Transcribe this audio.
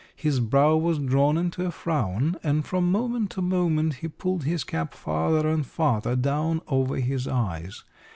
His brow was drawn into a frown, and from moment to moment he pulled his cap farther and farther down over his eyes.